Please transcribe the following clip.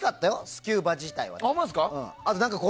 スキューバ自体は。